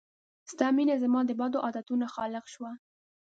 ستا مينه زما د بدو عادتونو خالق شوه